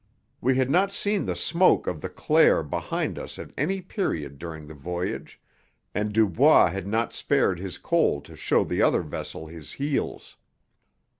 We had not seen the smoke of the Claire behind us at any period during the voyage, and Dubois had not spared his coal to show the other vessel his heels.